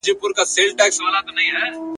په تور خلوت کي له هانه ګوښه !.